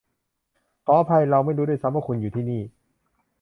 ขออภัยเราไม่รู้ด้วยซ้ำว่าคุณอยู่ที่นี่